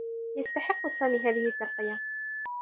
يستحقّ سامي هذه التّرقية.